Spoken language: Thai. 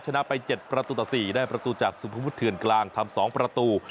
ชนะไป๗ประตูต่อ๔ได้ประตูจากสุภวุฒเถื่อนกลางทำ๒ประตู